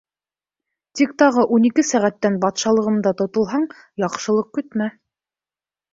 Тик тағы ун ике сәғәттән батшалығымда тотолһаң, яҡшылыҡ көтмә!